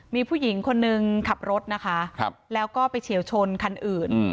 มีผู้หญิงคนนึงขับรถนะคะแล้วก็ไปเฉียวชนคันอื่น